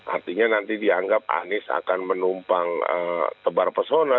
artinya nanti dianggap anies akan menumpang tebar pesona